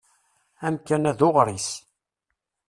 Amkan-a d uɣris.